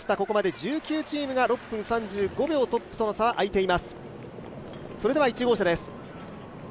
ここまで１９チームが６分３５秒、トップとの差はあいています。